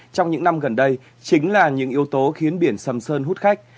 trong những năm gần đây chính là những yếu tố khiến biển sầm sơn hút khách